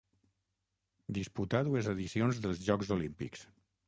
Disputà dues edicions dels Jocs Olímpics.